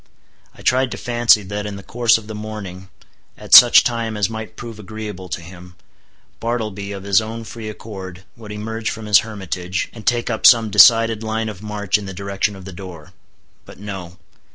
I tried to fancy that in the course of the morning, at such time as might prove agreeable to him, Bartleby, of his own free accord, would emerge from his hermitage, and take up some decided line of march in the direction of the door. But no.